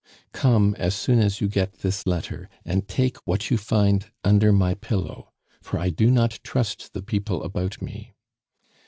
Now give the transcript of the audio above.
"Come as soon as you get this letter and take what you find under my pillow, for I do not trust the people about me.